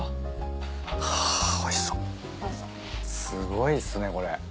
すごいっすねこれ。